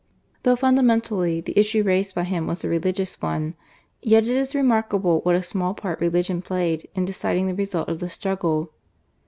Though fundamentally the issue raised by him was a religious one, yet it is remarkable what a small part religion played in deciding the result of the struggle.